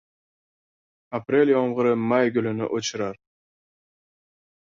• Aprel yomg‘iri may gulini ochirar.